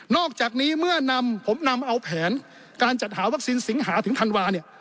อกจากนี้เมื่อนำผมนำเอาแผนการจัดหาวัคซีนสิงหาถึงธันวาเนี่ย